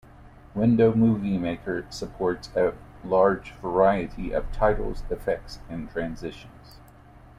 Windows Movie Maker supports a large variety of titles, effects and transitions.